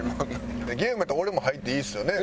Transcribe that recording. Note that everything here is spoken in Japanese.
ゲームやったら俺も入っていいですよね？